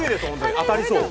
当たりそう。